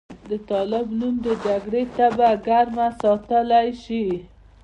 د طالب نوم د جګړې تبه ګرمه ساتلی شي.